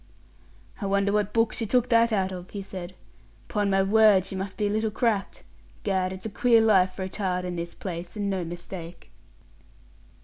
"I wonder what book she took that out of?" he said. "'Pon my word she must be a little cracked. 'Gad, it's a queer life for a child in this place, and no mistake."